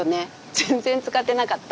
全然使ってなかった。